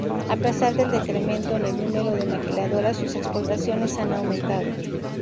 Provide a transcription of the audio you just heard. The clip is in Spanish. A pesar del decremento en el número de maquiladoras, sus exportaciones han aumentado.